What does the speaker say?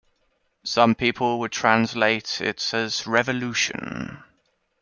Some people would translate it as "revolution".